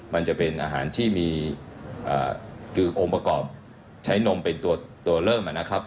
มันจะเป็นอาหารที่มีคือองค์ประกอบใช้นมเป็นตัวเริ่มนะครับ